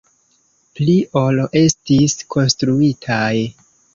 Pli ol estis konstruitaj.